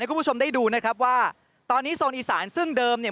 คุณผู้ชมได้ดูนะครับว่าตอนนี้โซนอีสานซึ่งเดิมเนี่ย